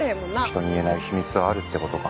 人に言えない秘密はあるって事か。